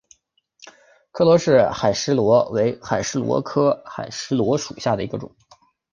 柯罗氏海蛳螺为海蛳螺科海蛳螺属下的一个种。